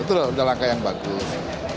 itu sudah langkah yang bagus